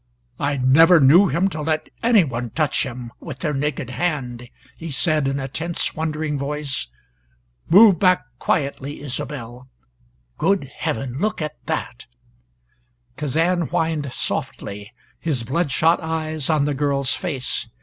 "I never knew him to let any one touch him with their naked hand," he said in a tense wondering voice. "Move back quietly, Isobel. Good heaven look at that!" Kazan whined softly, his bloodshot eyes on the girl's face.